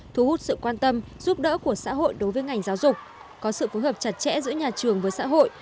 thu hút sự quan tâm giúp đỡ của xã hội đối với ngành giáo dục có sự phối hợp chặt chẽ giữa nhà trường với xã hội